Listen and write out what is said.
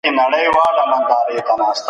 ولي د ځان سخت غندل رواني روغتیا له منځه وړي؟